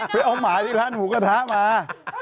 ไปเอาหมาที่ร้านหมูกระทะมา